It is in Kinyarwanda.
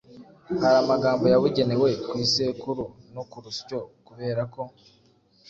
Hari amagambo yabugenewe ku isekuru no ku rusyo kubera ko